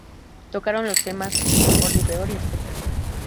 Tocaron los temas "Ni mejor ni peor" y "Espectro".